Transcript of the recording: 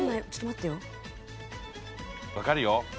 分かるよ。